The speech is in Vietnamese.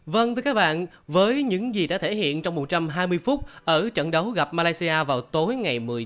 vâng thưa các bạn với những gì đã thể hiện trong một trăm hai mươi phút ở trận đấu gặp malaysia vào tối ngày một mươi tháng tám